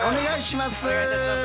お願いします。